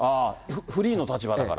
フリーの立場だから。